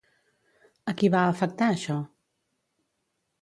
A qui va afectar això?